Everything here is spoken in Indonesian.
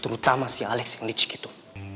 terutama si alex yang leach itu